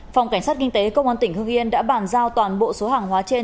phòng cảnh sát kinh tế công an tỉnh hưng yên đã bàn giao toàn bộ số hàng hóa trên